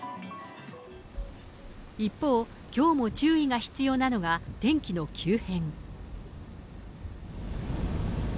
一方、きょうも注意が必要なのが天気の急変。